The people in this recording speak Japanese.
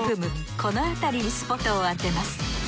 このあたりにスポットを当てます。